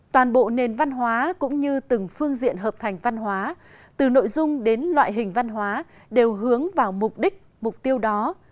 toàn bộ nền văn hóa cũng như từng phương diện hợp thành văn hóa từ nội dung đến loại hình văn hóa đều hướng vào mục đích mục tiêu đó